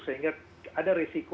sehingga ada resiko